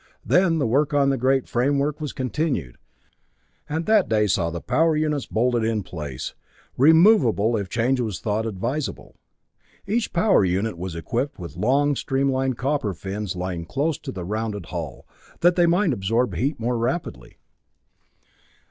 Then the work on the great framework was continued, and that day saw the power units bolted in place, removable if change was thought advisable. Each power unit was equipped with long streamlined copper fins lying close to the rounded hull, that they might absorb heat more rapidly.